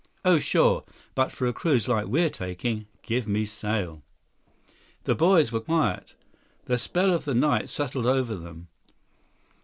"Oh, sure. But for a cruise like we're taking, give me sail." The boys were quiet. The spell of the night settled over them.